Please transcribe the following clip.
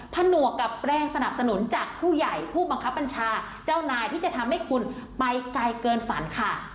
ผนวกกับแรงสนับสนุนจากผู้ใหญ่ผู้บังคับบัญชาเจ้านายที่จะทำให้คุณไปไกลเกินฝันค่ะ